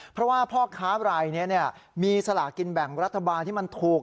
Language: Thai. เพราะว่าพ่อค้ารายนี้มีสลากินแบ่งรัฐบาลที่มันถูก